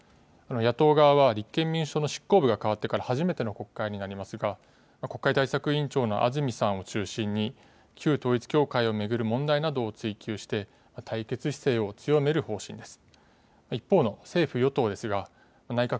野党側は立憲民主党の執行部が変わってから初めての国会になりますが国会対策委員長の安住さんを中心に旧統一教会を巡る問題などを追及して対決姿勢を強める方針です。